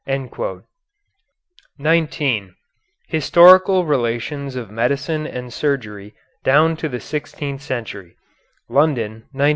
_"] [Footnote 19: "Historical Relations of Medicine and Surgery Down to the Sixteenth Century," London, 1904.